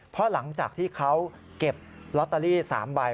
เพราะหลังจากที่เขาเก็บลอตเตอรี่๓ใบ